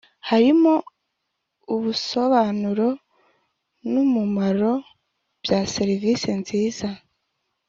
harimo ubusobanuro n’umumaro bya serivisi nziza